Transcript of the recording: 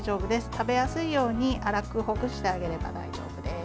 食べやすいように粗くほぐしてあげれば大丈夫です。